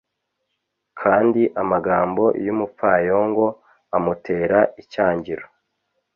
kandi amagambo y'umupfayongo amutera icyangiro